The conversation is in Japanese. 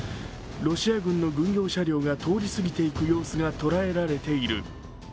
ロシア軍の軍用車両が通り過ぎていく様子が捉えられている。